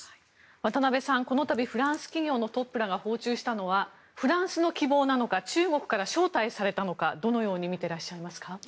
渡邊さん、この度フランス企業のトップらが訪中したのはフランスの希望なのか中国から招待されたのかどのように見ていますか。